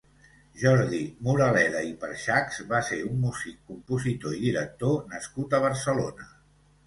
Jordi Moraleda i Perxachs va ser un músic, compositor i director nascut a Barcelona.